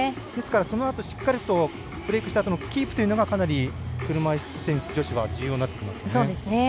そのあと、しっかりとブレークしたあとキープするのがかなり車いすテニス女子は重要になってきますかね。